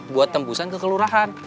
buat tembusan kekelurahan